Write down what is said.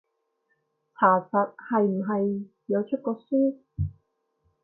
查實係唔係有出過書？